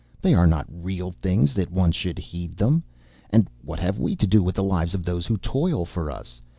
They are not real things that one should heed them. And what have we to do with the lives of those who toil for us?